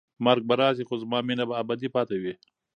مرګ به راشي خو زما مینه به ابدي پاتې وي.